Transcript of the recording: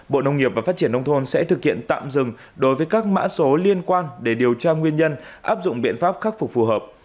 bộ nông nghiệp và phát triển nông thôn sẽ thực hiện tạm dừng đối với các mã số liên quan để điều tra nguyên nhân áp dụng biện pháp khắc phục phù hợp